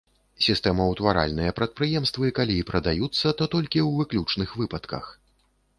Сістэмаўтваральныя прадпрыемствы, калі і прадаюцца, то толькі ў выключных выпадках.